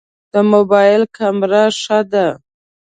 د موبایل کمره ښه ده؟